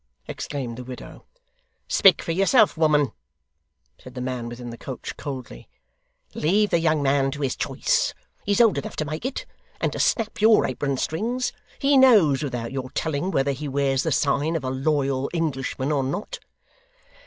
exclaimed the widow. 'Speak for yourself, woman,' said the man within the coach, coldly. 'Leave the young man to his choice; he's old enough to make it, and to snap your apron strings. He knows, without your telling, whether he wears the sign of a loyal Englishman or not.